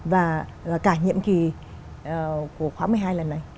và cả nhiệm kỳ của khóa một mươi hai lần này